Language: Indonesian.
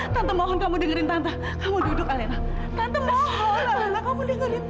tante mohon kamu dengerin tante dulu